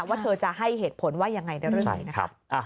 ว่าเธอจะให้เหตุผลว่ายังไงในเรื่องนี้นะคะ